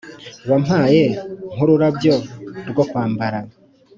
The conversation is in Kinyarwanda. wampaye nk'ururabyo rwo kwambara;